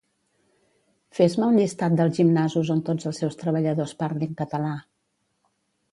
Fes-me un llistat dels gimnasos on tots els seus treballadors parlin català